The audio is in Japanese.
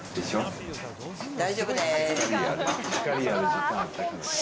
大丈夫です。